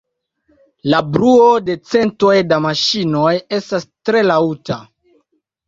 La bruo de centoj da maŝinoj estas tre laŭta.